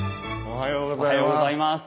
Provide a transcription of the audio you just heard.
おはようございます。